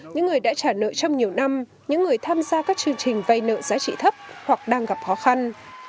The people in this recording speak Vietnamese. những người đã trả nợ trong nhiều năm những người tham gia các chương trình vay nợ giá trị thấp hoặc đang gặp khó khăn